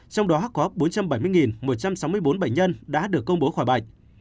trong đó có bốn trăm bảy mươi một trăm sáu mươi bốn bệnh nhân đã được công bố khỏi bệnh